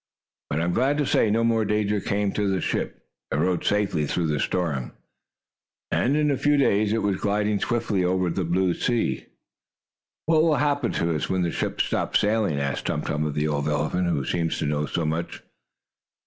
But I am glad to say no more danger came to the ship. It rode safely through the storm, and in a few days, it was gliding swiftly over the blue sea. "What will happen to us, when the ship stops sailing?" asked Tum Tum of the old elephant, who seemed to know so much.